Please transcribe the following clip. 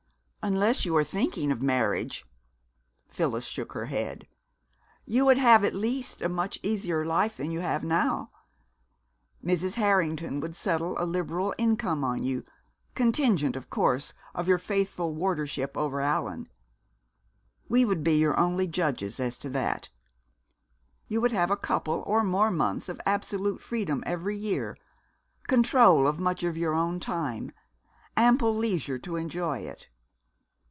"Unless you are thinking of marriage " Phyllis shook her head "you would have at least a much easier life than you have now. Mrs. Harrington would settle a liberal income on you, contingent, of course, of your faithful wardership over Allan. We would be your only judges as to that. You would have a couple or more months of absolute freedom every year, control of much of your own time, ample leisure to enjoy it.